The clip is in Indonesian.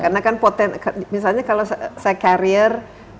karena kan potensi misalnya kalau saya carrier